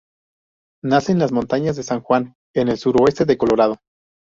Nace en las Montañas de San Juan, en el suroeste de Colorado.